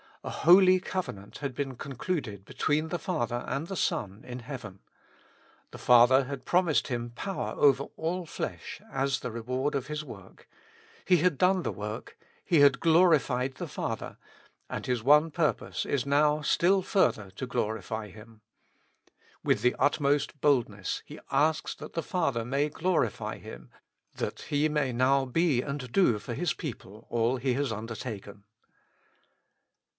A holy covenant had been concluded between the Father and the Son in heaven. The Father had promised Him power over all flesh as the reward of His work : He had done the work. He had glorified the Father, and His one purpose is now still further to glorify Him. With the utmost boldness He asks that the Father may glorify Him, that He may now be and do for His people all He has under taken.